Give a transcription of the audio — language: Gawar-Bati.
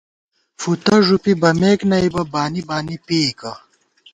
فُتہ ݫُپی بَمېک نئ بہ ، بانی بانی پېئیکہ